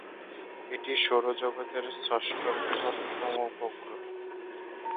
এটি সৌরজগৎের ষষ্ঠ বৃহত্তম উপগ্রহ।